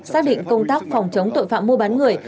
xác định công tác phòng chống tội phạm mua bán người